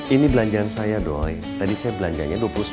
ini belanjaan saya doi tadi saya belanjanya rp dua puluh sembilan lima ratus